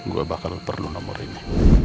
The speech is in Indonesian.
gue bakal perlu nomor ini